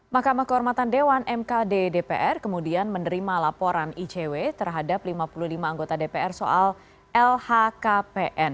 mahkamah kehormatan dewan mkd dpr kemudian menerima laporan icw terhadap lima puluh lima anggota dpr soal lhkpn